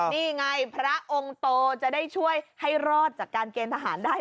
นี่ไงพระองค์โตจะได้ช่วยให้รอดจากการเกณฑ์ทหารได้